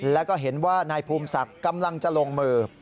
แล้วก็เห็นว่านายภูมิศักดิ์กำลังจะลงมือ